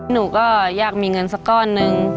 หนูก็อยากมีเงินสักก้อนนึง